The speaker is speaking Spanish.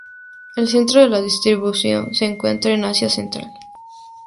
El centro de la distribución se encuentra en Asia Central.